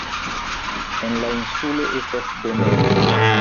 En la insulo estas dometo.